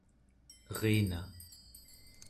erina